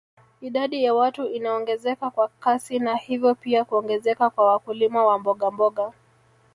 Idadi ya watu inaongezeka kwa kasi na hivyo pia kuongezeka kwa wakulima wa mbogamboga